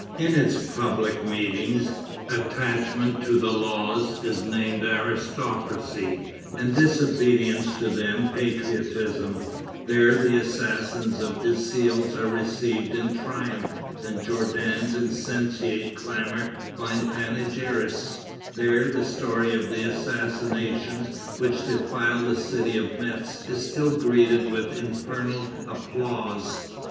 In its public meetings, attachment to the laws is named aristocracy, and disobedience to them patriotism; there the assassins of Desilles are received in triumph, and Jourdan's insensate clamor finds panegyrists; there the story of the assassinations which defiled the city of Metz is still greeted with infernal applause."